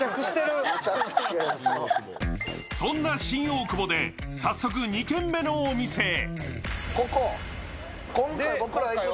そんな新大久保で早速、２軒目のお店へ。